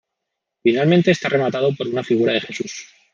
Finalmente está rematado por una figura de Jesús.